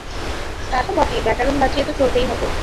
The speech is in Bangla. তা তো বটেই, ব্যাকরণ বাঁচিয়ে তো চলতেই হবে।